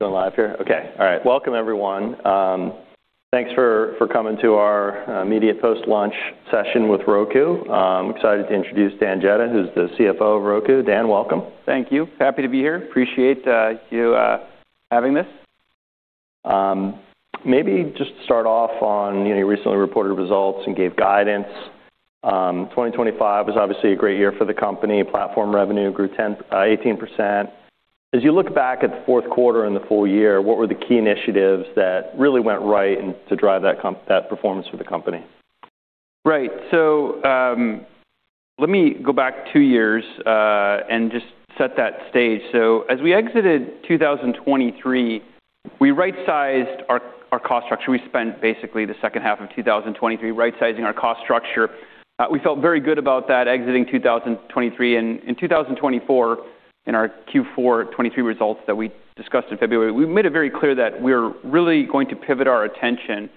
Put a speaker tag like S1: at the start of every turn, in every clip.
S1: Going live here. Okay. All right. Welcome, everyone. Thanks for coming to our media post-launch session with Roku. I'm excited to introduce Dan Jedda, who's the CFO of Roku. Dan, welcome.
S2: Thank you. Happy to be here. Appreciate you having this.
S1: Maybe just to start off on, you know, you recently reported results and gave guidance. 2025 was obviously a great year for the company. Platform revenue grew 18%. As you look back at the fourth quarter and the full year, what were the key initiatives that really went right and to drive that performance for the company?
S2: Right. Let me go back two years and just set that stage. As we exited 2023, we right-sized our cost structure. We spent basically the second half of 2023 right-sizing our cost structure. We felt very good about that exiting 2023. In 2024, in our Q4 2023 results that we discussed in February, we made it very clear that we're really going to pivot our attention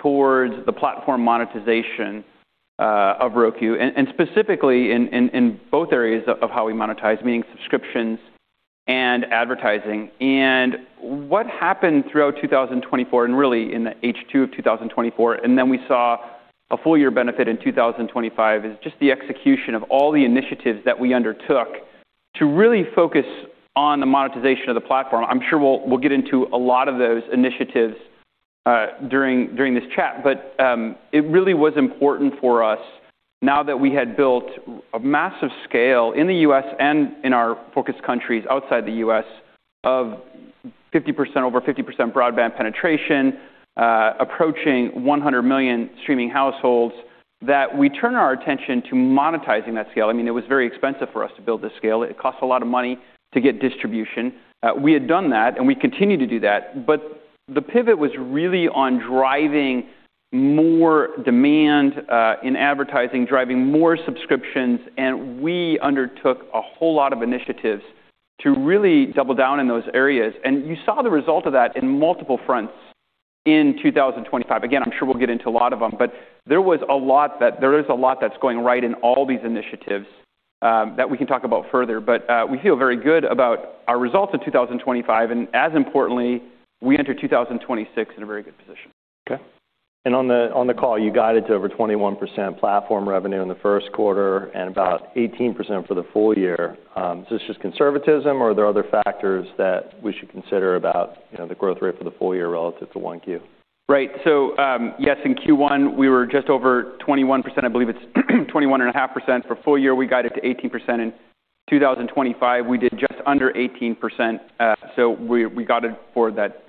S2: towards the platform monetization of Roku, and specifically in both areas of how we monetize, meaning subscriptions and advertising. What happened throughout 2024 and really in the H2 of 2024, and then we saw a full year benefit in 2025, is just the execution of all the initiatives that we undertook to really focus on the monetization of the platform. I'm sure we'll get into a lot of those initiatives during this chat. It really was important for us now that we had built a massive scale in the U.S. and in our focus countries outside the U.S. of 50%, over 50% broadband penetration, approaching 100 million streaming households, that we turn our attention to monetizing that scale. I mean, it was very expensive for us to build this scale. It costs a lot of money to get distribution. We had done that, and we continue to do that. The pivot was really on driving more demand in advertising, driving more subscriptions, and we undertook a whole lot of initiatives to really double down in those areas. You saw the result of that in multiple fronts in 2025. Again, I'm sure we'll get into a lot of them, but there is a lot that's going right in all these initiatives that we can talk about further. We feel very good about our results in 2025, and as importantly, we enter 2026 in a very good position.
S1: On the call, you got it to over 21% platform revenue in the first quarter and about 18% for the full year. Is this just conservatism or are there other factors that we should consider about, you know, the growth rate for the full year relative to Q1?
S2: Right. So, yes, in Q1, we were just over 21%. I believe it's 21.5%. For full year, we got it to 18%. In 2025, we did just under 18%. We got it for that,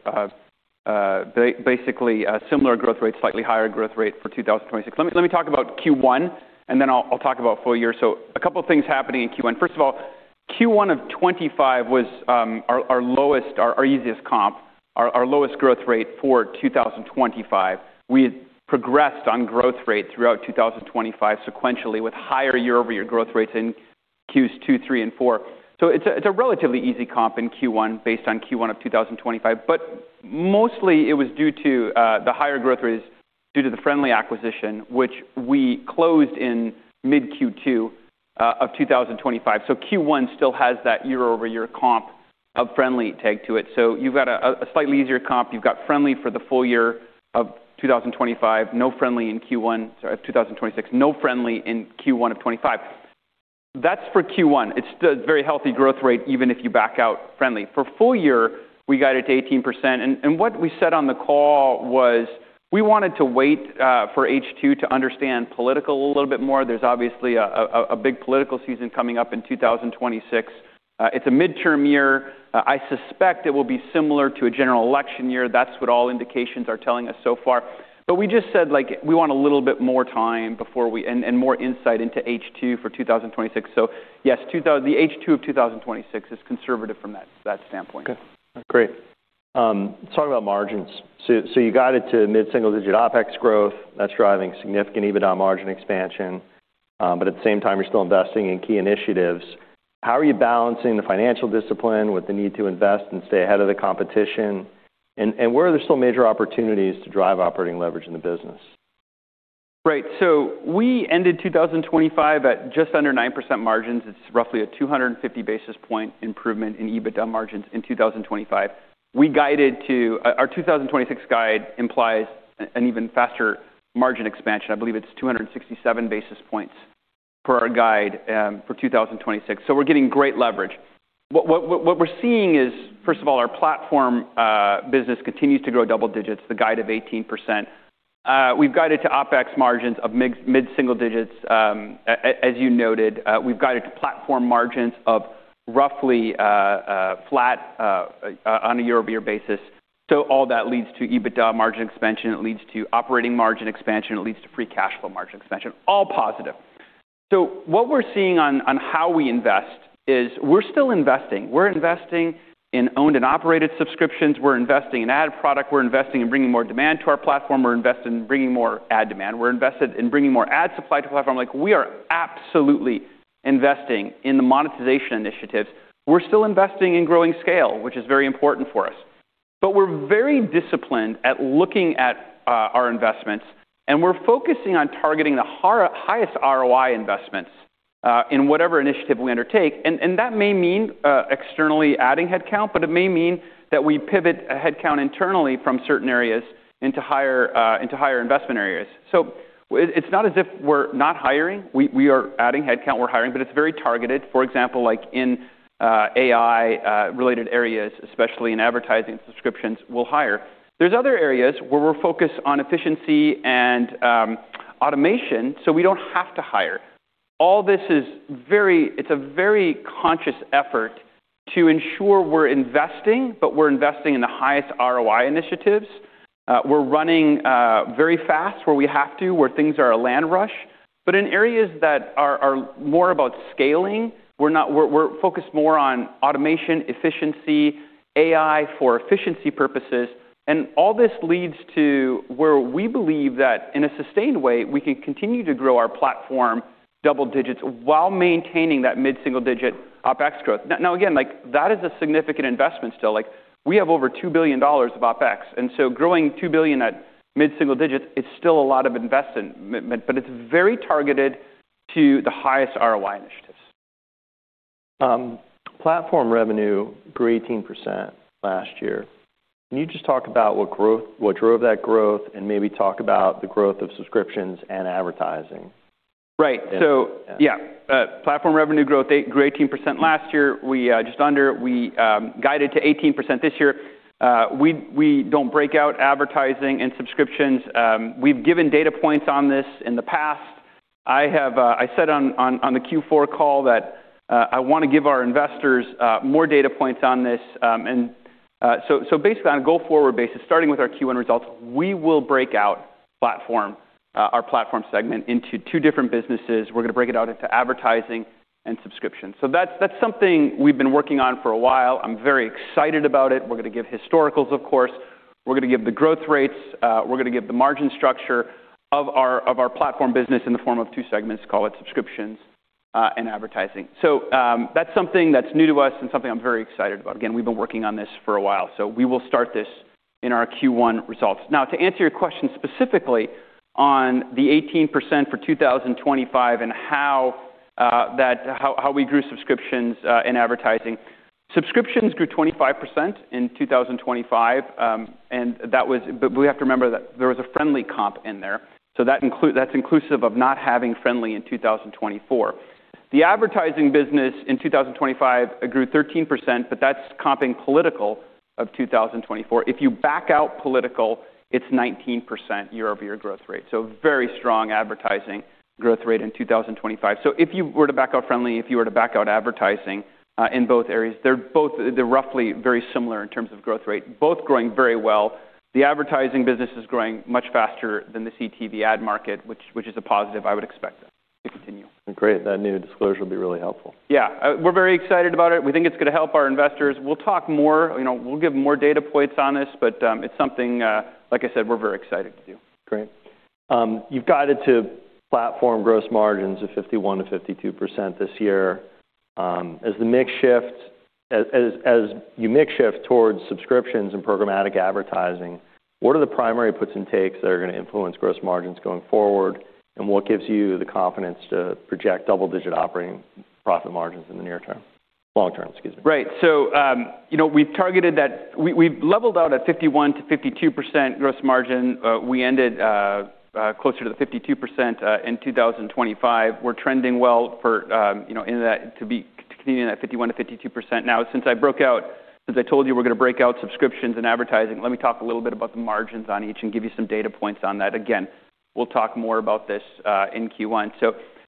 S2: basically, similar growth rate, slightly higher growth rate for 2026. Let me talk about Q1, and then I'll talk about full year. A couple of things happening in Q1. First of all, Q1 of 2025 was our easiest comp, our lowest growth rate for 2025. We had progressed on growth rate throughout 2025 sequentially with higher year-over-year growth rates in Q2, Q3, and Q4. It's a relatively easy comp in Q1 based on Q1 of 2025. Mostly it was due to the higher growth rates due to the frndly acquisition, which we closed in mid-Q2 of 2025. Q1 still has that year-over-year comp of frndly tag to it. You've got a slightly easier comp. You've got frndly for the full year of 2026. No frndly in Q1. Sorry, of 2026. No frndly in Q1 of 2025. That's for Q1. It's a very healthy growth rate even if you back out frndly. For full year, we got it to 18%. What we said on the call was we wanted to wait for H2 to understand political a little bit more. There's obviously a big political season coming up in 2026. It's a midterm year. I suspect it will be similar to a general election year. That's what all indications are telling us so far. We just said, like, we want a little bit more time and more insight into H2 for 2026. Yes, the H2 of 2026 is conservative from that standpoint.
S1: Okay. Great. Let's talk about margins. You got it to mid-single digit OpEx growth. That's driving significant EBITDA margin expansion. At the same time, you're still investing in key initiatives. How are you balancing the financial discipline with the need to invest and stay ahead of the competition? Where are there still major opportunities to drive operating leverage in the business?
S2: Right. We ended 2025 at just under 9% margins. It's roughly a 250 basis point improvement in EBITDA margins in 2025. Our 2026 guide implies an even faster margin expansion. I believe it's 267 basis points for our guide for 2026. We're getting great leverage. What we're seeing is, first of all, our platform business continues to grow double digits, the guide of 18%. We've guided to OpEx margins of mid-single digits, as you noted. We've guided to platform margins of roughly flat on a year-over-year basis. All that leads to EBITDA margin expansion. It leads to operating margin expansion. It leads to free cash flow margin expansion. All positive. What we're seeing on how we invest is we're still investing. We're investing in owned and operated subscriptions. We're investing in ad product. We're investing in bringing more demand to our platform. We're investing in bringing more ad demand. We're invested in bringing more ad supply to platform. Like, we are absolutely investing in the monetization initiatives. We're still investing in growing scale, which is very important for us. We're very disciplined at looking at our investments, and we're focusing on targeting the highest ROI investments in whatever initiative we undertake. That may mean externally adding headcount, but it may mean that we pivot a headcount internally from certain areas into higher investment areas. It's not as if we're not hiring. We are adding headcount, we're hiring, but it's very targeted. For example, like in AI related areas, especially in advertising subscriptions, we'll hire. There's other areas where we're focused on efficiency and automation, so we don't have to hire. All this is very. It's a very conscious effort to ensure we're investing, but we're investing in the highest ROI initiatives. We're running very fast where we have to, where things are a land rush. But in areas that are more about scaling, we're focused more on automation, efficiency, AI for efficiency purposes. All this leads to where we believe that in a sustained way, we can continue to grow our platform double digits while maintaining that mid-single digit OpEx growth. Now, again, like, that is a significant investment still. Like, we have over $2 billion of OpEx, and so growing $2 billion at mid-single digits% is still a lot of investment. It's very targeted to the highest ROI initiatives.
S1: Platform revenue grew 18% last year. Can you just talk about what drove that growth and maybe talk about the growth of subscriptions and advertising?
S2: Platform revenue growth grew just under 18% last year. We guided to 18% this year. We don't break out advertising and subscriptions. We've given data points on this in the past. I said on the Q4 call that I wanna give our investors more data points on this. Basically, on a go-forward basis, starting with our Q1 results, we will break out our platform segment into two different businesses. We're gonna break it out into advertising and subscription. That's something we've been working on for a while. I'm very excited about it. We're gonna give historicals, of course. We're gonna give the growth rates. We're gonna give the margin structure of our platform business in the form of two segments, call it subscriptions and advertising. That's something that's new to us and something I'm very excited about. Again, we've been working on this for a while, so we will start this in our Q1 results. Now, to answer your question specifically on the 18% for 2025 and how we grew subscriptions in advertising. Subscriptions grew 25% in 2025. We have to remember that there was a Frndly comp in there, so that's inclusive of not having Frndly in 2024. The advertising business in 2025 grew 13%, but that's comping political of 2024. If you back out political, it's 19% year-over-year growth rate, so very strong advertising growth rate in 2025. If you were to back out Frndly, if you were to back out advertising, in both areas, they're both roughly very similar in terms of growth rate, both growing very well. The advertising business is growing much faster than the CTV ad market, which is a positive I would expect to continue.
S1: Great. That new disclosure will be really helpful.
S2: Yeah. We're very excited about it. We think it's gonna help our investors. We'll talk more, you know, we'll give more data points on this, but it's something, like I said, we're very excited to do.
S1: Great. You've guided to platform gross margins of 51%-52% this year. As the mix shifts towards subscriptions and programmatic advertising, what are the primary puts and takes that are gonna influence gross margins going forward? What gives you the confidence to project double-digit operating profit margins in the near term, long term, excuse me?
S2: Right. You know, we've targeted that. We've leveled out at 51%-52% gross margin. We ended closer to the 52% in 2025. We're trending well to continue in that 51%-52%. Now, since I told you we're gonna break out subscriptions and advertising, let me talk a little bit about the margins on each and give you some data points on that. Again, we'll talk more about this in Q1.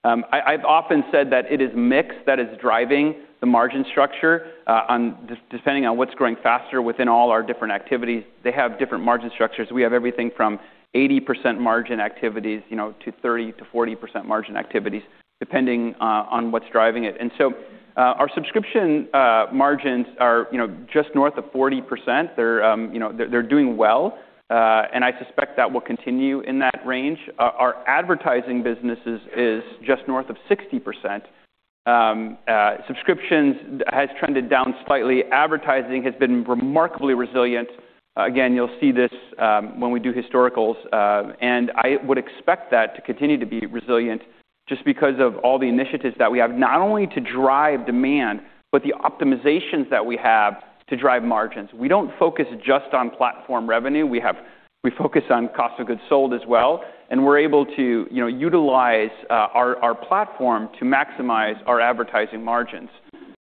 S2: I've often said that it is mix that is driving the margin structure, depending on what's growing faster within all our different activities. They have different margin structures. We have everything from 80% margin activities, you know, to 30%-40% margin activities, depending on what's driving it. Our subscription margins are, you know, just north of 40%. They're doing well, and I suspect that will continue in that range. Our advertising business is just north of 60%. Subscriptions has trended down slightly. Advertising has been remarkably resilient. Again, you'll see this when we do historicals. I would expect that to continue to be resilient just because of all the initiatives that we have not only to drive demand, but the optimizations that we have to drive margins. We don't focus just on platform revenue. We focus on cost of goods sold as well, and we're able to utilize our platform to maximize our advertising margins.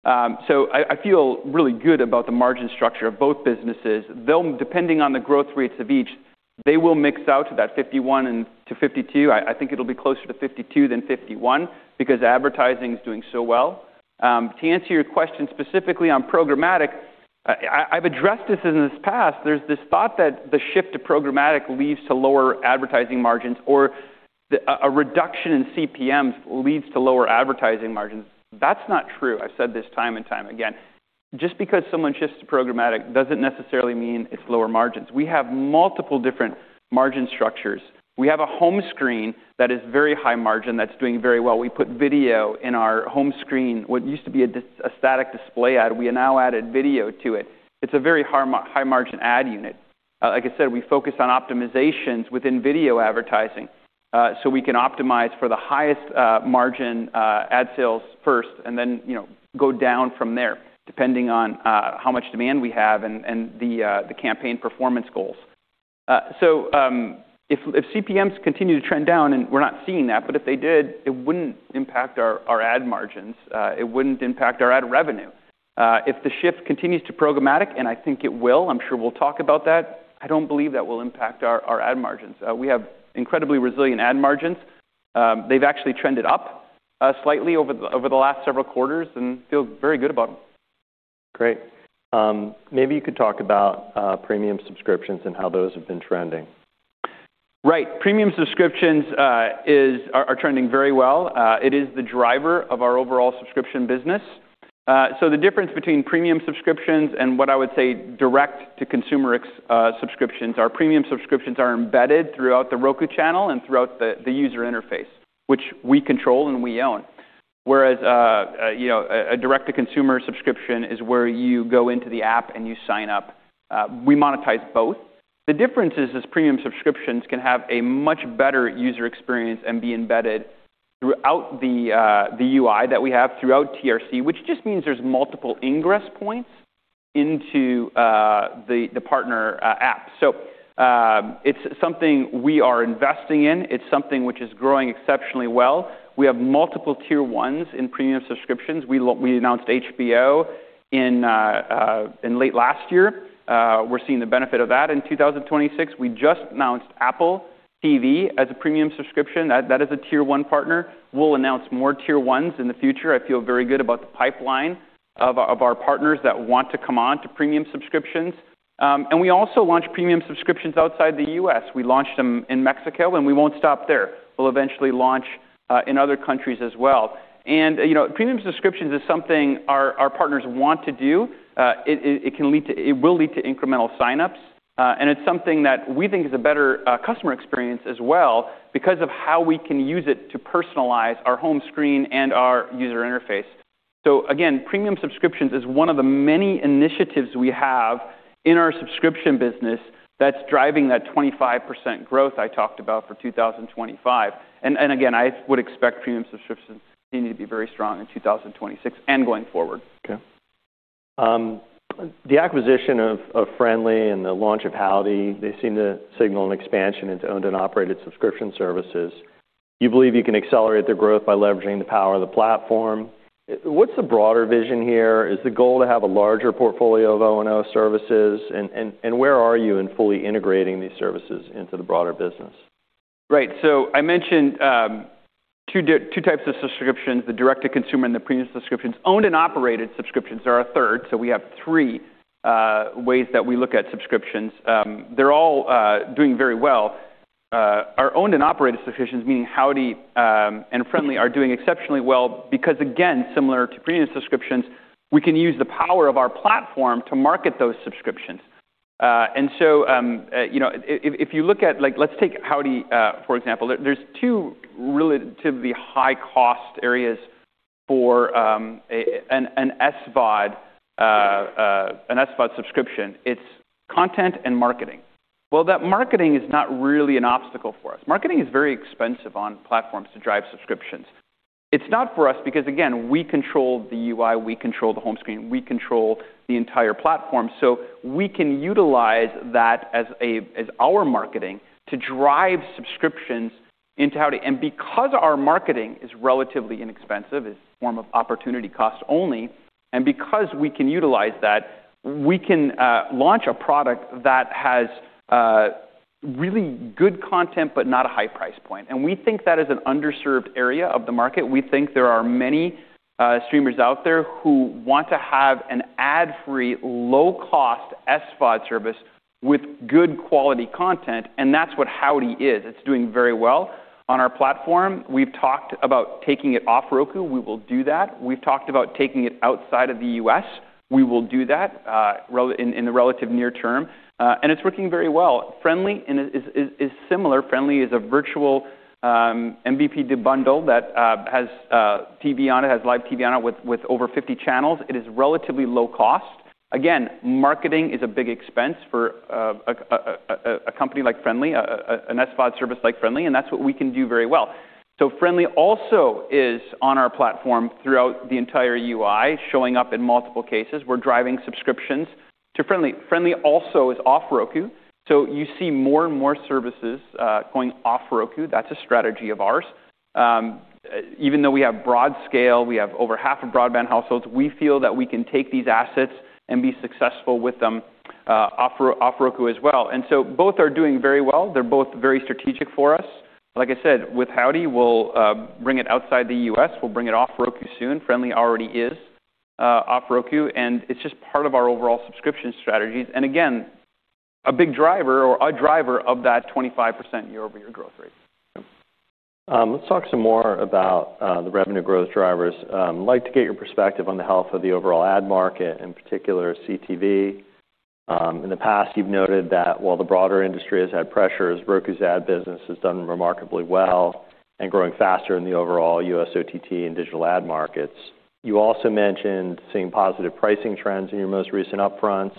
S2: I feel really good about the margin structure of both businesses. They'll, depending on the growth rates of each, they will mix out to that 51% and to 52%. I think it'll be closer to 52% than 51% because advertising is doing so well. To answer your question specifically on programmatic, I've addressed this in the past. There's this thought that the shift to programmatic leads to lower advertising margins or a reduction in CPMs leads to lower advertising margins. That's not true. I've said this time and time again. Just because someone shifts to programmatic doesn't necessarily mean it's lower margins. We have multiple different margin structures. We have a home screen that is very high margin, that's doing very well. We put video in our home screen. What used to be a static display ad, we have now added video to it. It's a very high margin ad unit. Like I said, we focus on optimizations within video advertising, so we can optimize for the highest margin ad sales first and then, you know, go down from there depending on how much demand we have and the campaign performance goals. So, if CPMs continue to trend down, and we're not seeing that, but if they did, it wouldn't impact our ad margins. It wouldn't impact our ad revenue. If the shift continues to programmatic, and I think it will, I'm sure we'll talk about that. I don't believe that will impact our ad margins. We have incredibly resilient ad margins. They've actually trended up slightly over the last several quarters and feel very good about them.
S1: Great. Maybe you could talk about premium subscriptions and how those have been trending?
S2: Right. Premium subscriptions are trending very well. It is the driver of our overall subscription business. The difference between premium subscriptions and what I would say direct-to-consumer subscriptions. Our premium subscriptions are embedded throughout The Roku Channel and throughout the user interface, which we control and we own. Whereas, a direct-to-consumer subscription is where you go into the app and you sign up. We monetize both. The difference is premium subscriptions can have a much better user experience and be embedded throughout the UI that we have, throughout TRC, which just means there's multiple ingress points into the partner app. It's something we are investing in. It's something which is growing exceptionally well. We have multiple tier ones in premium subscriptions. We announced HBO in late last year. We're seeing the benefit of that in 2026. We just announced Apple TV as a premium subscription. That is a tier one partner. We'll announce more tier ones in the future. I feel very good about the pipeline of our partners that want to come on to premium subscriptions. We also launched premium subscriptions outside the U.S. We launched them in Mexico, and we won't stop there. We'll eventually launch in other countries as well. You know, premium subscriptions is something our partners want to do. It will lead to incremental sign-ups. It's something that we think is a better customer experience as well because of how we can use it to personalize our home screen and our user interface. Again, premium subscriptions is one of the many initiatives we have in our subscription business that's driving that 25% growth I talked about for 2025. Again, I would expect premium subscriptions to continue to be very strong in 2026 and going forward.
S1: Okay. The acquisition of Frndly and the launch of Howdy, they seem to signal an expansion into owned and operated subscription services. You believe you can accelerate their growth by leveraging the power of the platform. What's the broader vision here? Is the goal to have a larger portfolio of O&O services? Where are you in fully integrating these services into the broader business?
S2: Right. I mentioned two types of subscriptions, the direct-to-consumer and the premium subscriptions. Owned and operated subscriptions are a third. We have three ways that we look at subscriptions. They're all doing very well. Our owned and operated subscriptions, meaning Howdy and Frndly, are doing exceptionally well because again, similar to premium subscriptions, we can use the power of our platform to market those subscriptions. You know, if you look at like, let's take Howdy for example. There's two relatively high-cost areas for an SVOD subscription. It's content and marketing. Well, that marketing is not really an obstacle for us. Marketing is very expensive on platforms to drive subscriptions. It's not for us because, again, we control the UI, we control the home screen, we control the entire platform. We can utilize that as our marketing to drive subscriptions into Howdy. Because our marketing is relatively inexpensive, it's a form of opportunity cost only, and because we can utilize that, we can launch a product that has really good content but not a high price point. We think that is an underserved area of the market. We think there are many streamers out there who want to have an ad-free, low-cost SVOD service with good quality content, and that's what Howdy is. It's doing very well on our platform. We've talked about taking it off Roku. We will do that. We've talked about taking it outside of the U.S. We will do that in the relative near term. It's working very well. Frndly is similar. Frndly is a virtual MVPD bundle that has TV on it, has live TV on it with over 50 channels. It is relatively low cost. Again, marketing is a big expense for a company like Frndly, an SVOD service like Frndly, and that's what we can do very well. Frndly also is on our platform throughout the entire UI, showing up in multiple cases. We're driving subscriptions to Frndly. Frndly also is off Roku. You see more and more services going off Roku. That's a strategy of ours. Even though we have broad scale, we have over half of broadband households, we feel that we can take these assets and be successful with them off Roku as well. Both are doing very well. They're both very strategic for us. Like I said, with Howdy, we'll bring it outside the U.S. We'll bring it off Roku soon. Frndly TV already is off Roku, and it's just part of our overall subscription strategies, and again, a big driver or a driver of that 25% year-over-year growth rate.
S1: Okay. Let's talk some more about the revenue growth drivers. Like to get your perspective on the health of the overall ad market, in particular CTV. In the past, you've noted that while the broader industry has had pressures, Roku's ad business has done remarkably well and growing faster in the overall U.S. OTT and digital ad markets. You also mentioned seeing positive pricing trends in your most recent upfronts.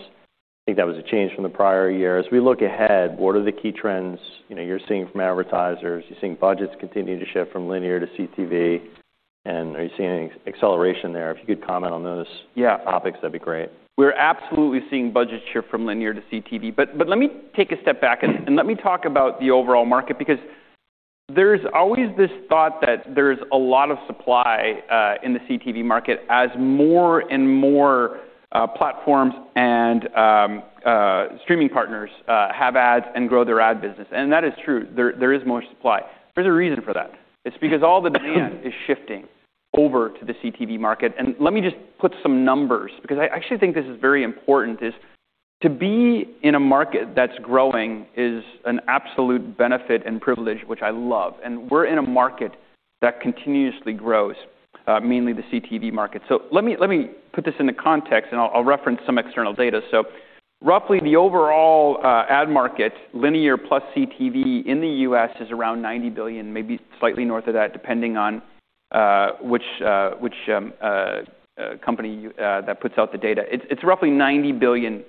S1: I think that was a change from the prior year. As we look ahead, what are the key trends, you know, you're seeing from advertisers? You're seeing budgets continue to shift from linear to CTV, and are you seeing any acceleration there? If you could comment on those.
S2: Yeah
S1: topics, that'd be great.
S2: We're absolutely seeing budgets shift from linear to CTV. Let me take a step back and let me talk about the overall market because there's always this thought that there's a lot of supply in the CTV market as more and more platforms and streaming partners have ads and grow their ad business. That is true. There is more supply. There's a reason for that. It's because all the demand is shifting over to the CTV market. Let me just put some numbers, because I actually think this is very important, is to be in a market that's growing is an absolute benefit and privilege, which I love. We're in a market that continuously grows, mainly the CTV market. Let me put this into context, and I'll reference some external data. Roughly the overall ad market, linear plus CTV in the US is around $90 billion, maybe slightly north of that, depending on which company that puts out the data. It's roughly $90 billion.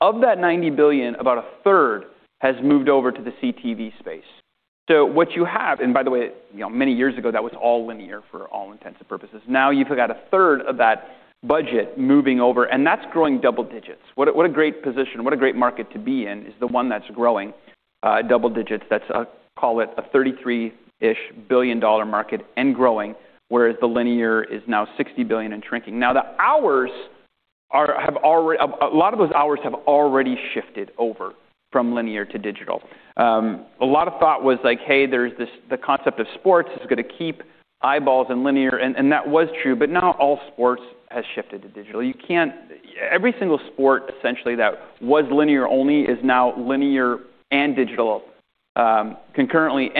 S2: Of that $90 billion, about a third has moved over to the CTV space. What you have. By the way, you know, many years ago, that was all linear for all intents and purposes. Now you've got a third of that budget moving over, and that's growing double digits. What a great position, what a great market to be in, is the one that's growing double digits. That's call it a 33-ish billion-dollar market and growing, whereas the linear is now $60 billion and shrinking. A lot of those hours have already shifted over from linear to digital. A lot of thought was like, "Hey, there's this. The concept of sports is gonna keep eyeballs in linear," and that was true, but not all sports has shifted to digital. Every single sport, essentially, that was linear only is now linear and digital concurrently.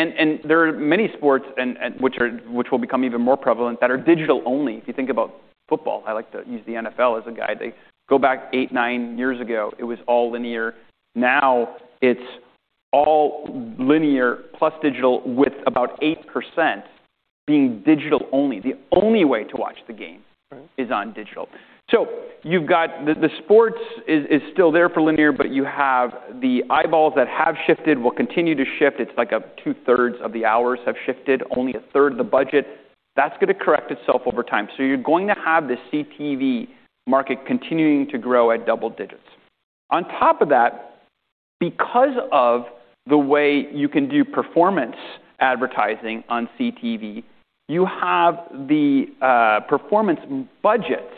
S2: There are many sports and which will become even more prevalent that are digital only. If you think about football, I like to use the NFL as a guide. They go back eight-nine years ago, it was all linear. Now it's all linear plus digital with about 8% being digital only. The only way to watch the game.
S1: Right
S2: is on digital. You've got the sports is still there for linear, but you have the eyeballs that have shifted, will continue to shift. It's like, two-thirds of the hours have shifted, only a third of the budget. That's gonna correct itself over time. You're going to have the CTV market continuing to grow at double digits. On top of that, because of the way you can do performance advertising on CTV, you have the performance budgets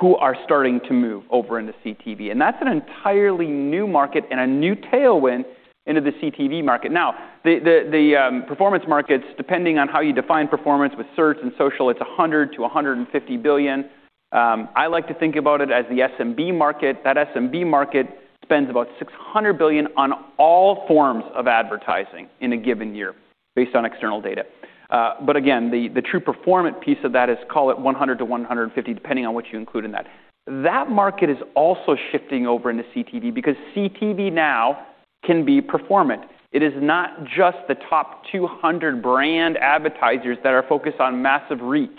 S2: who are starting to move over into CTV. That's an entirely new market and a new tailwind into the CTV market. Now, performance markets, depending on how you define performance with search and social, it's $100 billion-$150 billion. I like to think about it as the SMB market. That SMB market spends about $600 billion on all forms of advertising in a given year based on external data. Again, the true performance piece of that is, call it $100 billion-$150 billion, depending on what you include in that. That market is also shifting over into CTV because CTV now can be performant. It is not just the top 200 brand advertisers that are focused on massive reach.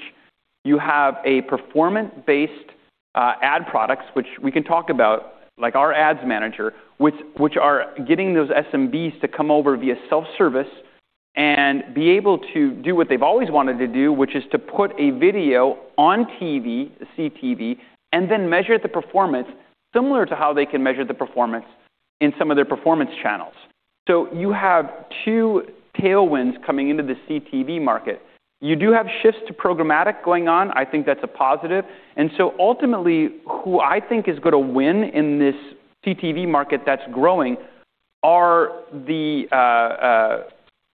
S2: You have a performant-based ad products, which we can talk about, like our ads manager, which are getting those SMBs to come over via self-service and be able to do what they've always wanted to do, which is to put a video on TV, the CTV, and then measure the performance similar to how they can measure the performance in some of their performance channels. You have two tailwinds coming into the CTV market. You do have shifts to programmatic going on. I think that's a positive. Ultimately, who I think is gonna win in this CTV market that's growing are the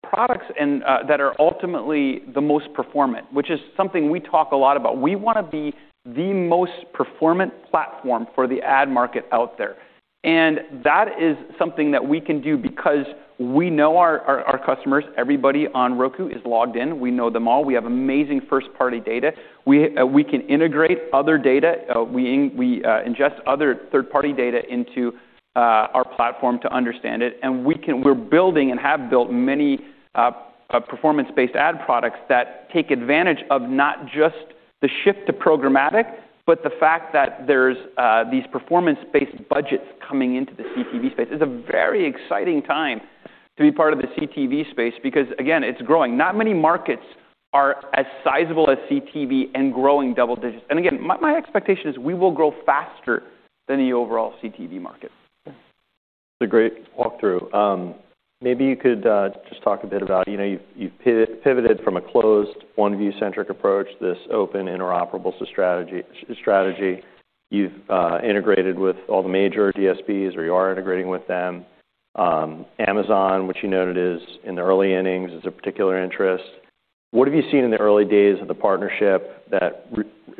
S2: products and that are ultimately the most performant, which is something we talk a lot about. We wanna be the most performant platform for the ad market out there. That is something that we can do because we know our customers. Everybody on Roku is logged in. We know them all. We have amazing first-party data. We can integrate other data. We ingest other third-party data into our platform to understand it. We're building and have built many performance-based ad products that take advantage of not just the shift to programmatic, but the fact that there's these performance-based budgets coming into the CTV space. This is a very exciting time to be part of the CTV space because, again, it's growing. Not many markets are as sizable as CTV and growing double digits. Again, my expectation is we will grow faster than the overall CTV market.
S1: It's a great walkthrough. Maybe you could just talk a bit about, you know, you've pivoted from a closed OneView centric approach, this open interoperable strategy. You've integrated with all the major DSPs, or you are integrating with them. Amazon, which you noted is in the early innings, is a particular interest. What have you seen in the early days of the partnership that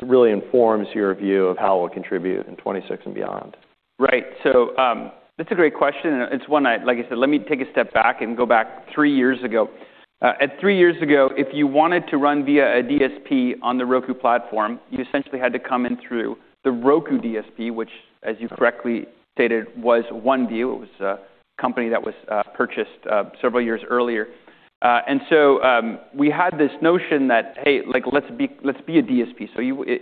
S1: really informs your view of how it will contribute in 2026 and beyond?
S2: Right. That's a great question, and it's one like I said, let me take a step back and go back three years ago. Three years ago, if you wanted to run via a DSP on the Roku platform, you essentially had to come in through the Roku DSP, which as you correctly stated, was OneView. It was a company that was purchased several years earlier. We had this notion that, hey, like, let's be a DSP.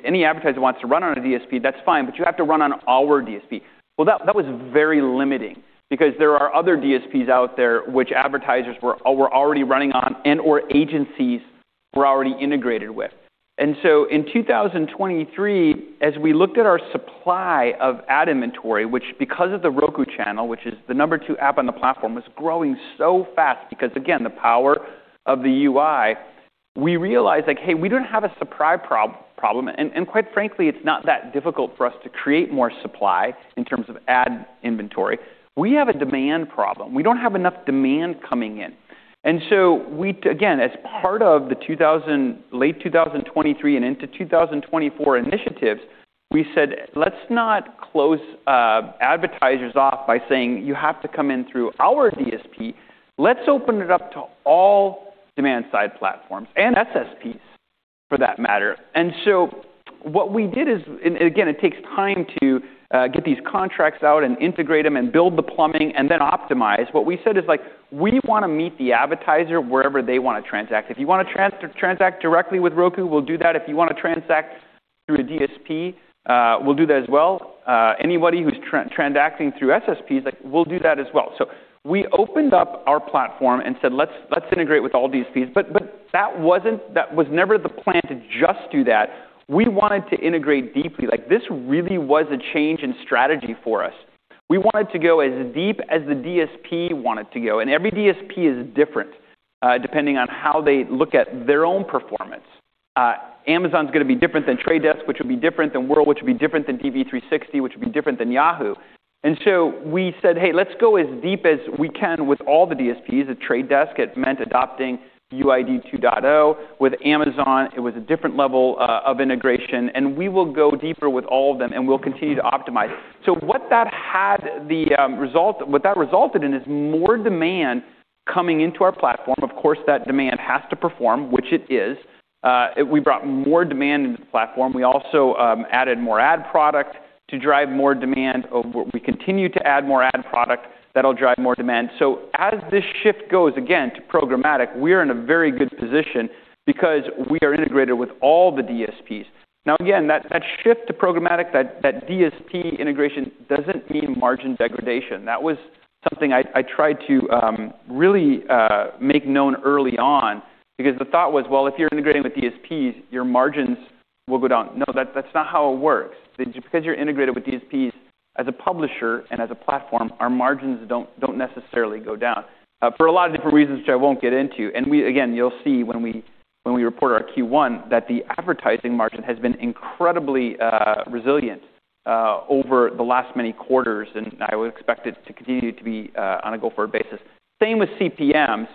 S2: Any advertiser who wants to run on a DSP, that's fine, but you have to run on our DSP. Well, that was very limiting because there are other DSPs out there which advertisers were already running on and/or agencies were already integrated with. In 2023, as we looked at our supply of ad inventory, which because of The Roku Channel, which is the number two app on the platform, was growing so fast because, again, the power of the UI, we realized, like, hey, we don't have a supply problem, and quite frankly, it's not that difficult for us to create more supply in terms of ad inventory. We have a demand problem. We don't have enough demand coming in. Again, as part of the two thousand... Late 2023 and into 2024 initiatives, we said, "Let's not close advertisers off by saying, 'You have to come in through our DSP.' Let's open it up to all demand-side platforms and SSPs, for that matter." What we did is, and again, it takes time to get these contracts out and integrate them and build the plumbing and then optimize. What we said is, like, "We wanna meet the advertiser wherever they wanna transact. If you wanna transact directly with Roku, we'll do that. If you wanna transact through a DSP, we'll do that as well. Anybody who's transacting through SSPs, like, we'll do that as well." We opened up our platform and said, "Let's integrate with all DSPs." But that wasn't. That was never the plan to just do that. We wanted to integrate deeply. Like, this really was a change in strategy for us. We wanted to go as deep as the DSP wanted to go, and every DSP is different, depending on how they look at their own performance. Amazon's gonna be different than The Trade Desk, which will be different than Wurl, which will be different than DV360, which will be different than Yahoo. We said, "Hey, let's go as deep as we can with all the DSPs." With The Trade Desk, it meant adopting UID 2.0. With Amazon, it was a different level of integration, and we will go deeper with all of them, and we'll continue to optimize. What that resulted in is more demand coming into our platform. Of course, that demand has to perform, which it is. We brought more demand into the platform. We also added more ad product to drive more demand. We continue to add more ad product. That'll drive more demand. As this shift goes, again, to programmatic, we're in a very good position because we are integrated with all the DSPs. Again, that shift to programmatic, that DSP integration doesn't mean margin degradation. That was something I tried to really make known early on because the thought was, well, if you're integrating with DSPs, your margins will go down. No, that's not how it works. Because you're integrated with DSPs as a publisher and as a platform, our margins don't necessarily go down for a lot of different reasons which I won't get into. We, again, you'll see when we report our Q1 that the advertising margin has been incredibly resilient over the last many quarters, and I would expect it to continue to be on a go-forward basis. Same with CPMs.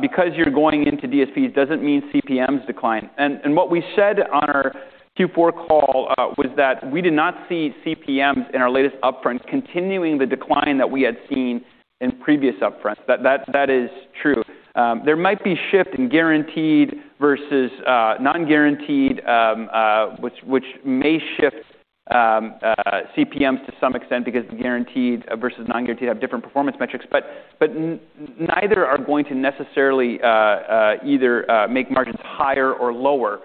S2: Because you're going into DSPs doesn't mean CPMs decline. What we said on our Q4 call was that we did not see CPMs in our latest upfront continuing the decline that we had seen in previous upfronts. That is true. There might be a shift in guaranteed versus non-guaranteed, which may shift CPMs to some extent because guaranteed versus non-guaranteed have different performance metrics. Neither are going to necessarily either make margins higher or lower,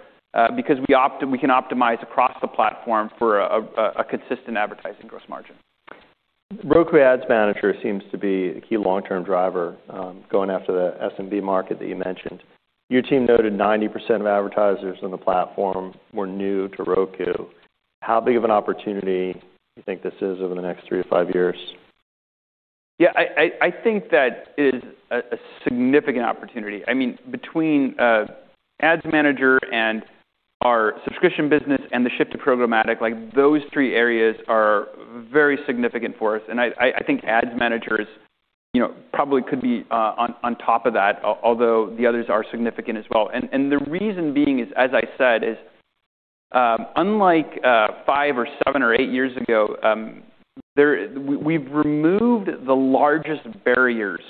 S2: because we can optimize across the platform for a consistent advertising gross margin.
S1: Roku Ads Manager seems to be a key long-term driver, going after the SMB market that you mentioned. Your team noted 90% of advertisers on the platform were new to Roku. How big of an opportunity you think this is over the next three-five years?
S2: Yeah. I think that is a significant opportunity. I mean, between Ads Manager and our subscription business and the shift to programmatic, like, those three areas are very significant for us. I think Ads Manager is, you know, probably could be on top of that, although the others are significant as well. The reason being is, as I said, unlike five or seven or eight years ago, we have removed the largest barriers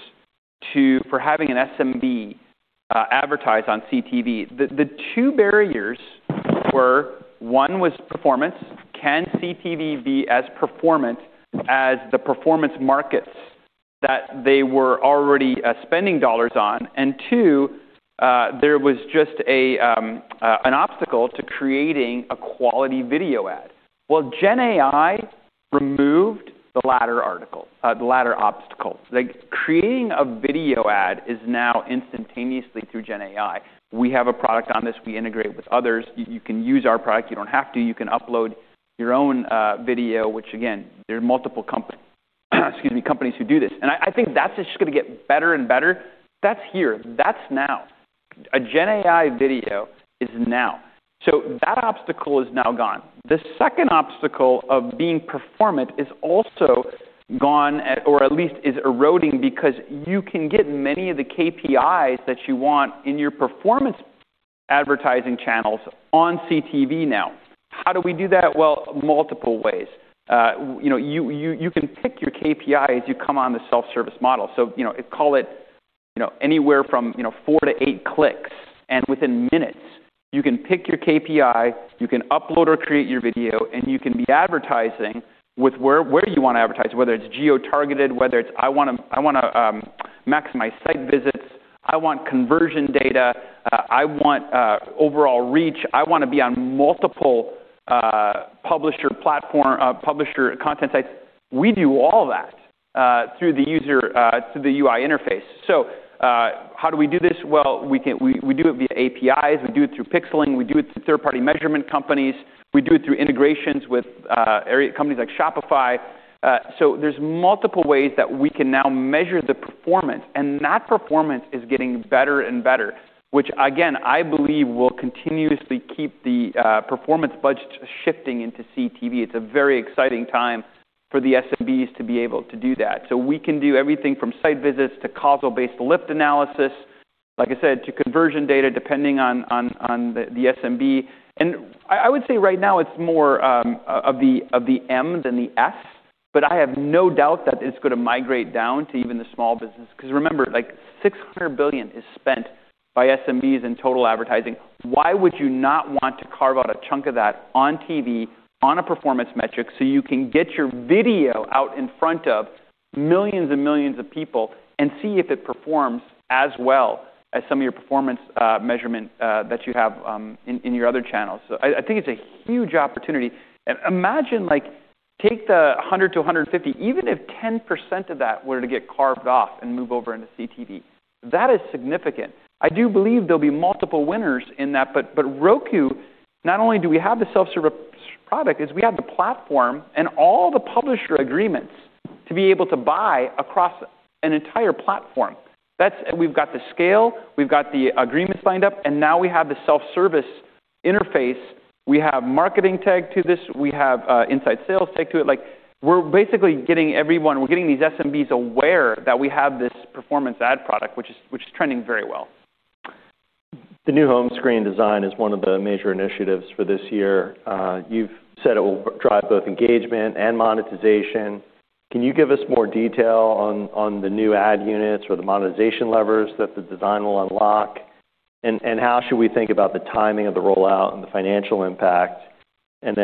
S2: for having an SMB advertise on CTV. The two barriers were one was performance. Can CTV be as performant as the performance markets that they were already spending dollars on? Two, there was just an obstacle to creating a quality video ad. Well, Gen AI removed the latter obstacle altogether. Like, creating a video ad is now instantaneously through GenAI. We have a product on this. We integrate with others. You can use our product. You don't have to. You can upload your own video, which again, there are multiple companies who do this. I think that's just gonna get better and better. That's here. That's now. A GenAI video is now. That obstacle is now gone. The second obstacle of being performant is also gone, or at least is eroding because you can get many of the KPIs that you want in your performance advertising channels on CTV now. How do we do that? Well, multiple ways. You know, you can pick your KPI as you come on the self-service model. You know, call it, you know, anywhere from four-eight clicks, and within minutes. You can pick your KPI, you can upload or create your video, and you can be advertising with where you wanna advertise, whether it's geo-targeted, whether it's I wanna maximize site visits, I want conversion data, I want overall reach. I wanna be on multiple publisher platform, publisher content sites. We do all that through the UI interface. How do we do this? Well, we do it via APIs. We do it through pixeling. We do it through third-party measurement companies. We do it through integrations with ad companies like Shopify. There's multiple ways that we can now measure the performance, and that performance is getting better and better, which again, I believe will continuously keep the performance budget shifting into CTV. It's a very exciting time for the SMBs to be able to do that. We can do everything from site visits to causal-based lift analysis, like I said, to conversion data, depending on the SMB. I would say right now it's more of the M than the S, but I have no doubt that it's gonna migrate down to even the small business. 'Cause remember, like, $600 billion is spent by SMBs in total advertising. Why would you not want to carve out a chunk of that on TV on a performance metric so you can get your video out in front of millions and millions of people and see if it performs as well as some of your performance measurement that you have in your other channels? I think it's a huge opportunity. Imagine, like, take a hundred to a hundred and fifty. Even if 10% of that were to get carved off and move over into CTV, that is significant. I do believe there'll be multiple winners in that. Roku, not only do we have the self-service product, but we have the platform and all the publisher agreements to be able to buy across an entire platform. That's We've got the scale, we've got the agreements lined up, and now we have the self-service interface. We have marketing tech to this. We have inside sales tech to it. Like, we're basically getting these SMBs aware that we have this performance ad product, which is trending very well.
S1: The new home screen design is one of the major initiatives for this year. You've said it will drive both engagement and monetization. Can you give us more detail on the new ad units or the monetization levers that the design will unlock? How should we think about the timing of the rollout and the financial impact? What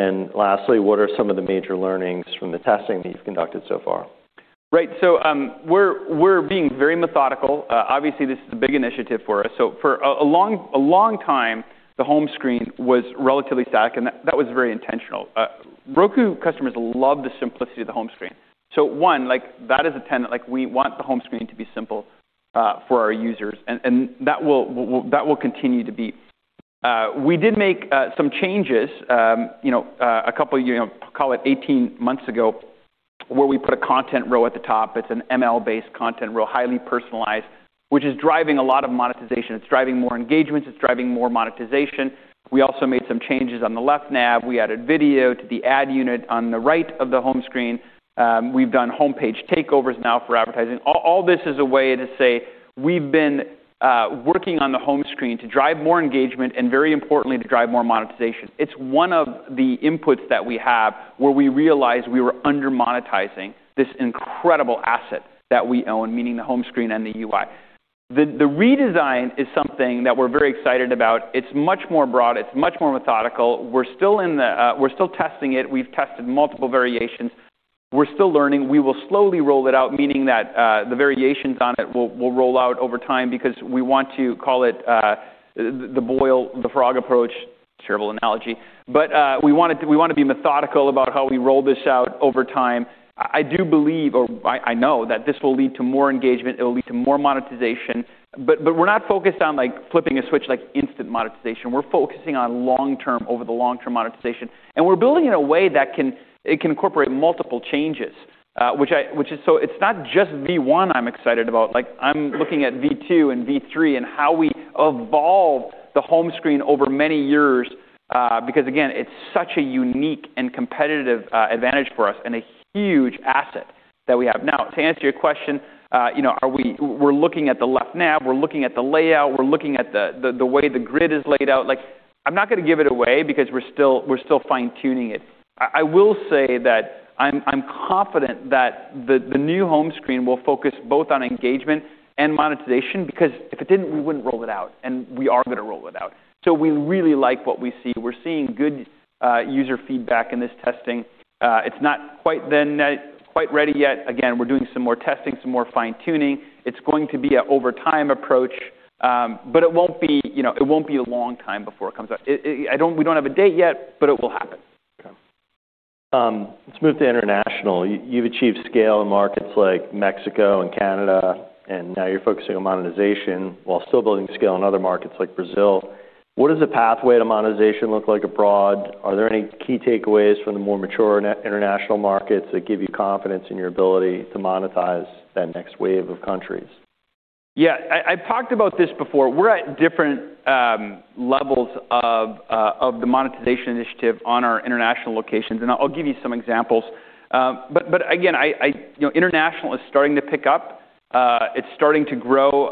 S1: are some of the major learnings from the testing that you've conducted so far?
S2: Right. We're being very methodical. Obviously, this is a big initiative for us. For a long time, the home screen was relatively static, and that was very intentional. Roku customers love the simplicity of the home screen. One, like, that is a tenet. Like, we want the home screen to be simple for our users, and that will continue to be. We did make some changes, you know, a couple of years, call it 18 months ago, where we put a content row at the top. It's an ML-based content row, highly personalized, which is driving a lot of monetization. It's driving more engagement. It's driving more monetization. We also made some changes on the left nav. We added video to the ad unit on the right of the home screen. We've done homepage takeovers now for advertising. All this is a way to say we've been working on the home screen to drive more engagement and, very importantly, to drive more monetization. It's one of the inputs that we have where we realized we were under-monetizing this incredible asset that we own, meaning the home screen and the UI. The redesign is something that we're very excited about. It's much more broad. It's much more methodical. We're still testing it. We've tested multiple variations. We're still learning. We will slowly roll it out, meaning that the variations on it will roll out over time because we want to call it the boil the frog approach. Terrible analogy. We wanna be methodical about how we roll this out over time. I know that this will lead to more engagement. It will lead to more monetization. We're not focused on, like, flipping a switch, like instant monetization. We're focusing on long-term, over the long-term monetization. We're building in a way that can incorporate multiple changes, which is. It's not just V1 I'm excited about. Like, I'm looking at V2 and V3 and how we evolve the home screen over many years, because again, it's such a unique and competitive advantage for us and a huge asset that we have. Now, to answer your question, you know, we're looking at the left nav. We're looking at the layout. We're looking at the way the grid is laid out. Like, I'm not gonna give it away because we're still fine-tuning it. I will say that I'm confident that the new home screen will focus both on engagement and monetization because if it didn't, we wouldn't roll it out, and we are gonna roll it out. So we really like what we see. We're seeing good user feedback in this testing. It's not quite there yet. Again, we're doing some more testing, some more fine-tuning. It's going to be an over time approach, but it won't be, you know, it won't be a long time before it comes out. We don't have a date yet, but it will happen.
S1: Okay. Let's move to international. You've achieved scale in markets like Mexico and Canada, and now you're focusing on monetization while still building scale in other markets like Brazil. What does the pathway to monetization look like abroad? Are there any key takeaways from the more mature international markets that give you confidence in your ability to monetize that next wave of countries?
S2: Yeah. I talked about this before. We're at different levels of the monetization initiative on our international locations, and I'll give you some examples. Again, you know, international is starting to pick up. It's starting to grow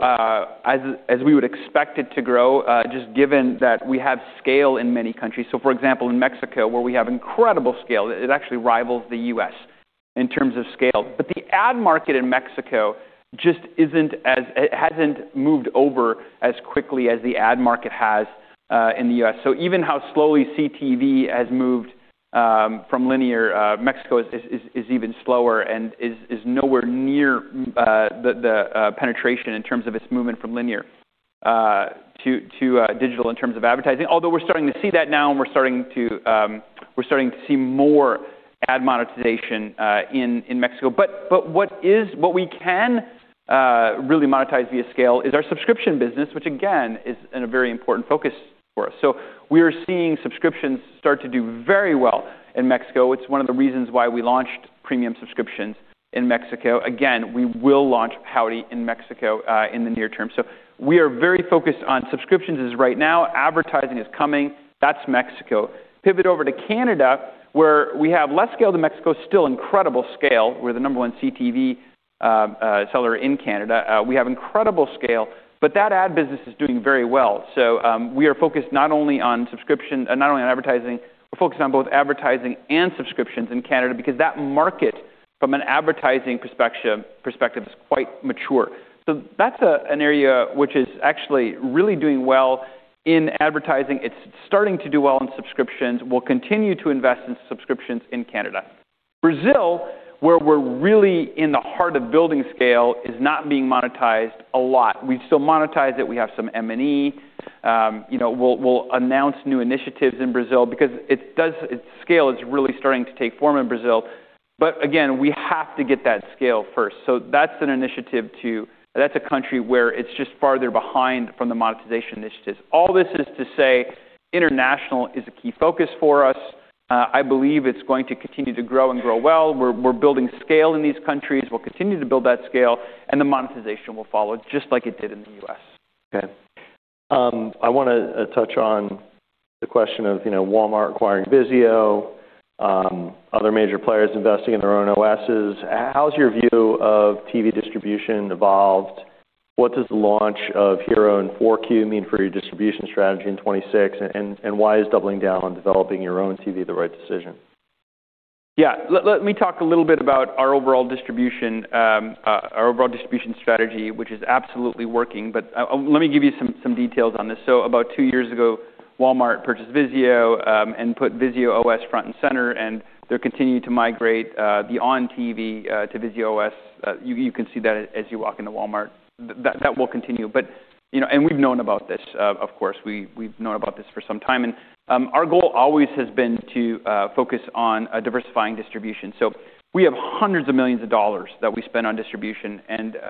S2: as we would expect it to grow just given that we have scale in many countries. For example, in Mexico, where we have incredible scale, it actually rivals the U.S. in terms of scale. The ad market in Mexico just isn't as, it hasn't moved over as quickly as the ad market has in the U.S. Even how slowly CTV has moved from linear, Mexico is even slower and is nowhere near the penetration in terms of its movement from linear to digital in terms of advertising. Although we're starting to see that now and we're starting to see more ad monetization in Mexico. What we can really monetize via scale is our subscription business, which again, is a very important focus for us. We are seeing subscriptions start to do very well in Mexico. It's one of the reasons why we launched premium subscriptions in Mexico. Again, we will launch Howdy in Mexico in the near term. We are very focused on subscriptions as right now. Advertising is coming. That's Mexico. Pivot over to Canada, where we have less scale than Mexico, still incredible scale. We're the number one CTV seller in Canada. We have incredible scale, but that ad business is doing very well. We are focused not only on advertising, we're focused on both advertising and subscriptions in Canada because that market from an advertising perspective is quite mature. That's an area which is actually really doing well in advertising. It's starting to do well in subscriptions. We'll continue to invest in subscriptions in Canada. Brazil, where we're really in the heart of building scale, is not being monetized a lot. We still monetize it. We have some M&E. You know, we'll announce new initiatives in Brazil because its scale is really starting to take form in Brazil. Again, we have to get that scale first. That's a country where it's just farther behind from the monetization initiatives. All this is to say international is a key focus for us. I believe it's going to continue to grow and grow well. We're building scale in these countries. We'll continue to build that scale, and the monetization will follow just like it did in the U.S.
S1: Okay. I wanna touch on the question of, you know, Walmart acquiring VIZIO, other major players investing in their own OSs. How has your view of TV distribution evolved? What does the launch of Hiro and 4Q mean for your distribution strategy in 2026? Why is doubling down on developing your own TV the right decision?
S2: Yeah. Let me talk a little bit about our overall distribution strategy, which is absolutely working. Let me give you some details on this. About two years ago, Walmart purchased VIZIO and put VIZIO OS front and center, and they're continuing to migrate to VIZIO OS. You can see that as you walk into Walmart. That will continue. You know, we've known about this for some time, of course. Our goal always has been to focus on diversifying distribution. We have $ hundreds of millions that we spend on distribution.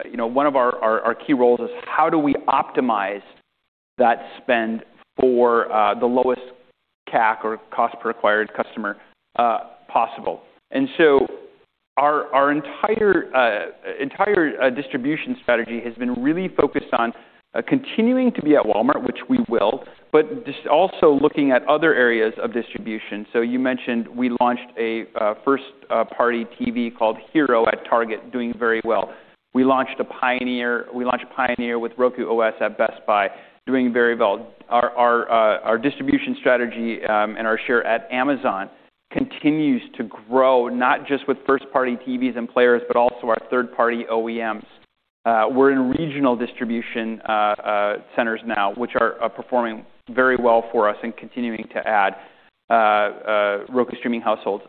S2: You know, one of our key roles is how do we optimize that spend for the lowest CAC or cost per acquired customer possible. Our entire distribution strategy has been really focused on continuing to be at Walmart, which we will, but just also looking at other areas of distribution. You mentioned we launched a first-party TV called Hiro at Target, doing very well. We launched Pioneer with Roku OS at Best Buy, doing very well. Our distribution strategy and our share at Amazon continues to grow not just with first-party TVs and players, but also our third-party OEMs. We're in regional distribution centers now, which are performing very well for us and continuing to add Roku streaming households.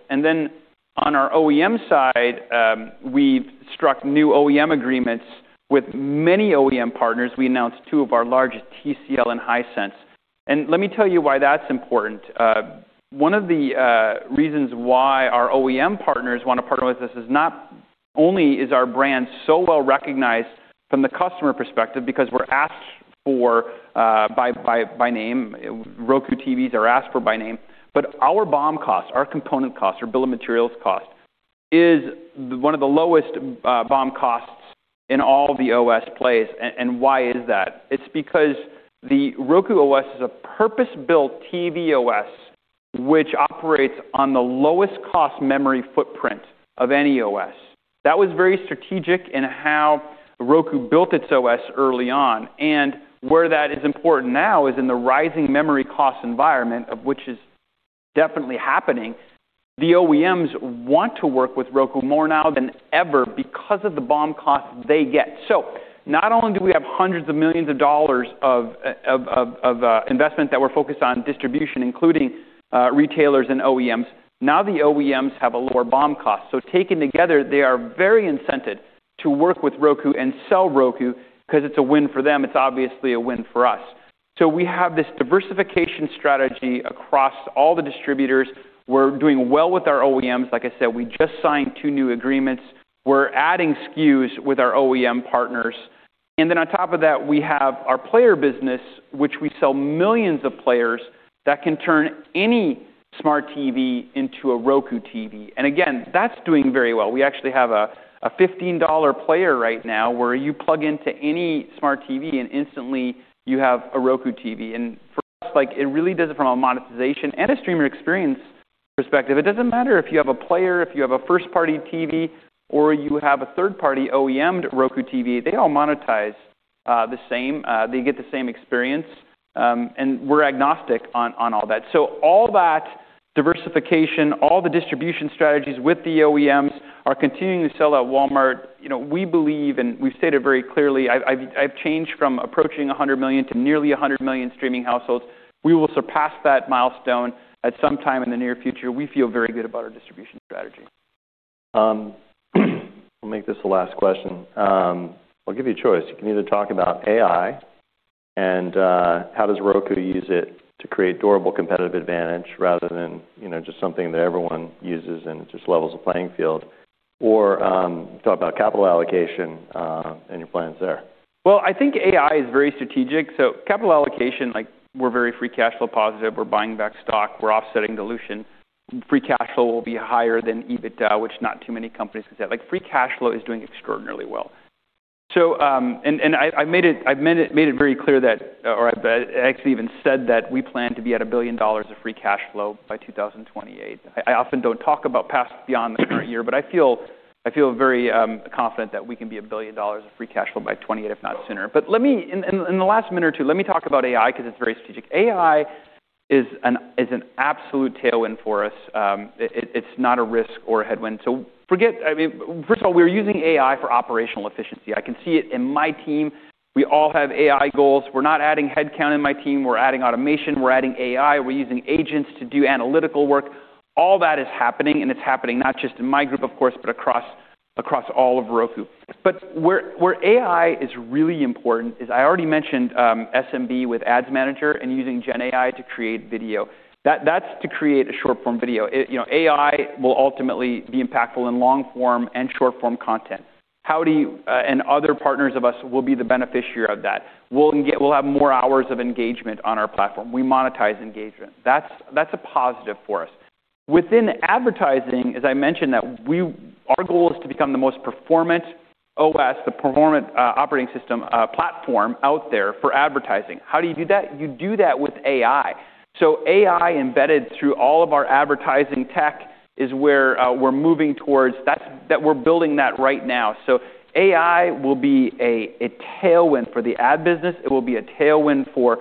S2: On our OEM side, we've struck new OEM agreements with many OEM partners. We announced two of our largest, TCL and Hisense. Let me tell you why that's important. One of the reasons why our OEM partners wanna partner with us is not only is our brand so well-recognized from the customer perspective because we're asked for by name, Roku TVs are asked for by name, but our BOM cost, our component cost, our bill of materials cost, is one of the lowest BOM costs in all the OS plays. Why is that? It's because the Roku OS is a purpose-built TV OS which operates on the lowest cost memory footprint of any OS. That was very strategic in how Roku built its OS early on. Where that is important now is in the rising memory cost environment, of which is definitely happening. The OEMs want to work with Roku more now than ever because of the BOM cost they get. Not only do we have $hundreds of millions of investment that we're focused on distribution, including retailers and OEMs, now the OEMs have a lower BOM cost. Taken together, they are very incented to work with Roku and sell Roku because it's a win for them. It's obviously a win for us. We have this diversification strategy across all the distributors. We're doing well with our OEMs. Like I said, we just signed two new agreements. We're adding SKUs with our OEM partners. We have our player business, which we sell millions of players that can turn any smart TV into a Roku TV. That's doing very well. We actually have a 15 dollar player right now where you plug into any smart TV and instantly you have a Roku TV. For us, like, it really does it from a monetization and a streamer experience perspective. It doesn't matter if you have a player, if you have a first-party TV or you have a third-party OEM Roku TV. They all monetize the same, they get the same experience, and we're agnostic on all that. All that diversification, all the distribution strategies with the OEMs are continuing to sell at Walmart. You know, we believe, and we've stated very clearly, I've changed from approaching 100 million to nearly 100 million streaming households. We will surpass that milestone at some time in the near future. We feel very good about our distribution strategy.
S1: We'll make this the last question. I'll give you a choice. You can either talk about AI and how does Roku use it to create durable competitive advantage rather than, you know, just something that everyone uses and it just levels the playing field or talk about capital allocation and your plans there.
S2: Well, I think AI is very strategic. Capital allocation, like, we're very free cash flow positive. We're buying back stock. We're offsetting dilution. Free cash flow will be higher than EBITDA, which not too many companies can say. Like, free cash flow is doing extraordinarily well. I made it very clear that, or I actually even said that we plan to be at $1 billion of free cash flow by 2028. I often don't talk about path beyond the current year, but I feel very confident that we can be $1 billion of free cash flow by 2028 if not sooner. Let me in the last minute or two, let me talk about AI because it's very strategic. AI is an absolute tailwind for us. It's not a risk or a headwind. Forget, I mean, first of all, we're using AI for operational efficiency. I can see it in my team. We all have AI goals. We're not adding headcount in my team. We're adding automation. We're adding AI. We're using agents to do analytical work. All that is happening, and it's happening not just in my group, of course, but across all of Roku. But where AI is really important is I already mentioned, SMB with Ads Manager and using Gen AI to create video. That's to create a short-form video. You know, AI will ultimately be impactful in long-form and short-form content. Howdy and other partners of us will be the beneficiary of that. We'll have more hours of engagement on our platform. We monetize engagement. That's a positive for us. Within advertising, as I mentioned, our goal is to become the most performant OS, operating system platform out there for advertising. How do you do that? You do that with AI. AI embedded through all of our advertising tech is where we're moving towards. That's what we're building right now. AI will be a tailwind for the ad business. It will be a tailwind for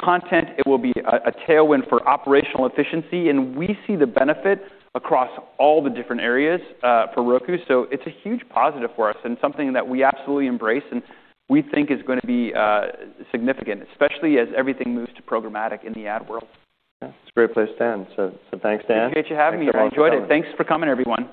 S2: content. It will be a tailwind for operational efficiency, and we see the benefit across all the different areas for Roku. It's a huge positive for us and something that we absolutely embrace and we think is gonna be significant, especially as everything moves to programmatic in the ad world.
S1: Yeah. It's a great place to end. Thanks, Dan.
S2: Appreciate you having me.
S1: Thanks, everyone, for coming.
S2: I enjoyed it. Thanks for coming, everyone.